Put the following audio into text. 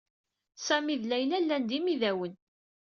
Sami d Layla llan d imidawen.